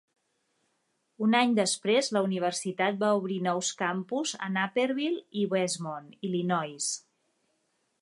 Un any després, la universitat va obrir nous campus a Naperville i Westmont, Illinois.